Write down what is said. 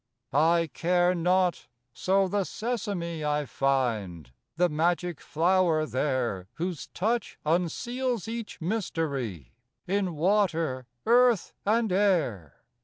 _ _I care not, so the sesame I find; the magic flower there, Whose touch unseals each mystery In water, earth and air.